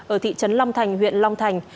ở thị trấn long thành huyện long thành